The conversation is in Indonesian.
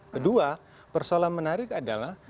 kedua persoalan menarik adalah